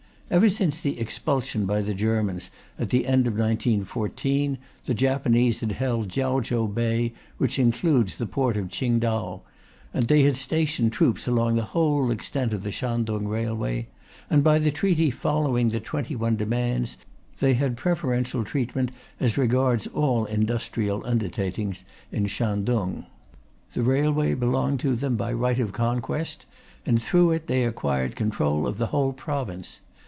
Ever since the expulsion by the Germans at the end of 1914, the Japanese had held Kiaochow Bay, which includes the port of Tsingtau; they had stationed troops along the whole extent of the Shantung Railway; and by the treaty following the Twenty one Demands, they had preferential treatment as regards all industrial undertakings in Shantung. The railway belonged to them by right of conquest, and through it they acquired control of the whole province.